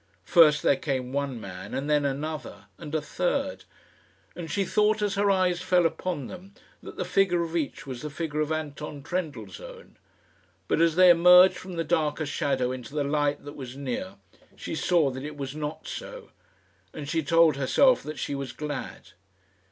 First there came one man, and then another, and a third; and she thought, as her eyes fell upon them, that the figure of each was the figure of Anton Trendellsohn. But as they emerged from the darker shadow into the light that was near, she saw that it was not so, and she told herself that she was glad.